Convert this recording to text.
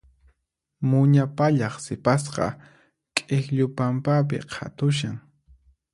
Muña pallaq sipasqa k'ikllu pampapi qhatushan.